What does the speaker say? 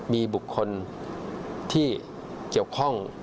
มีบุคคลที่เกี่ยวข้อง